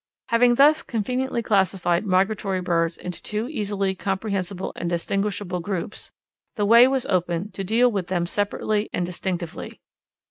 Having thus conveniently classified migratory birds into two easily comprehensible and distinguishable groups, the way was open to deal with them separately and distinctively.